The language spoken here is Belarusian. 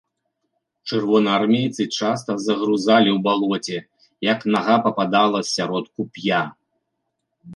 Чырвонаармейцы часта загрузалі ў балоце, як нага пападала сярод куп'я.